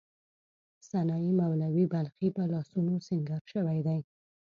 سنايي، مولوی بلخي په لاسونو سینګار شوې دي.